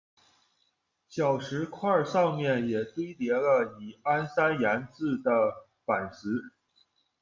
小石块上面也堆叠了以安山岩制的板石。